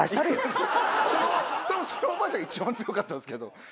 たぶんそのおばあちゃんが一番強かったんですけど。